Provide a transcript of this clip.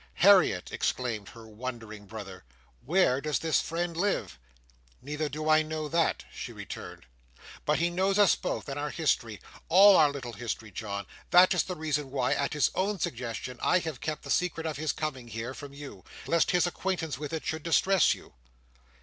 "Harriet!" exclaimed her wondering brother, "where does this friend live?" "Neither do I know that," she returned. "But he knows us both, and our history—all our little history, John. That is the reason why, at his own suggestion, I have kept the secret of his coming, here, from you, lest his acquaintance with it should distress you."